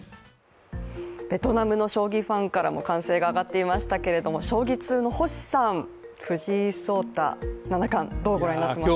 ベトナムの将棋ファンからも歓声が上がっていましたけれども将棋通の星さん、藤井聡太七冠どうご覧になっていますか。